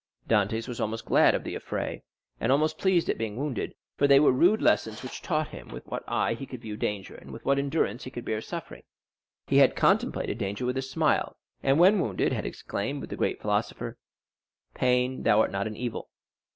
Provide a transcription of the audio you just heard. Dantès was almost glad of this affray, and almost pleased at being wounded, for they were rude lessons which taught him with what eye he could view danger, and with what endurance he could bear suffering. He had contemplated danger with a smile, and when wounded had exclaimed with the great philosopher, "Pain, thou art not an evil."